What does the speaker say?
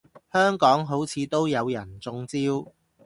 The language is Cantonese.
香港好似都有人中招